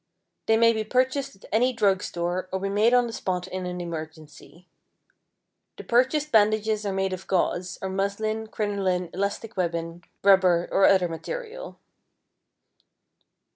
They may be purchased at any drug store or be made on the spot in an emergency. The purchased bandages are made of gauze, or muslin, crinolin, elastic webbing, rubber, or other material.